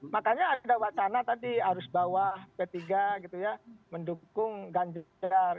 makanya ada wacana tadi arus bawah p tiga gitu ya mendukung ganjar